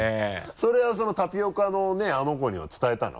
それはタピオカのあの子には伝えたの？